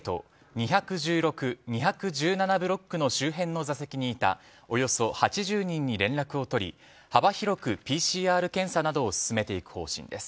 ２１６・２１７ブロックの周辺の座席にいたおよそ８０人に連絡を取り幅広くＰＣＲ検査などを進めていく方針です。